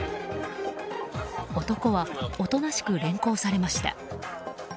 男はおとなしく連行されました。